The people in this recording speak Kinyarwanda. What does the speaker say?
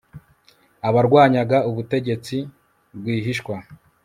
abarwanyaga ubutegetsi rwihishwa